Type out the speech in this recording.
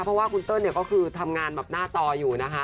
เพราะว่าคุณเติ้ลเนี่ยก็คือทำงานแบบหน้าจออยู่นะคะ